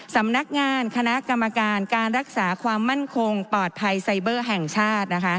สำนักงานคณะกรรมการการรักษาความมั่นคงปลอดภัยไซเบอร์แห่งชาติ